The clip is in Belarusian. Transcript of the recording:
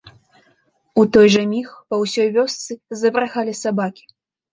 У той жа міг па ўсёй вёсцы забрахалі сабакі.